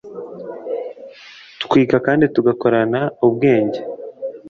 twiga kandi tugakorana ubwenge